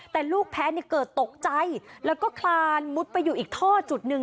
แต่ลูกแพ้เกิดตกใจแล้วก็คลานมุดไปอยู่อีกท่อจุดหนึ่ง